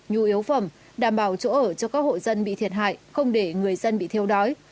nhu yếu phẩm đảm bảo chỗ ở cho các hộ dân bị thiệt hại không để người dân bị thiêu đói